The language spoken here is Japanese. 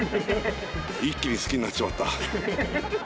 一気に好きになっちまった。